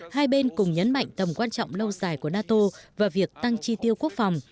hai bên cùng nhấn mạnh tầm quan trọng lâu dài của nato và việc tăng chi tiêu quốc phòng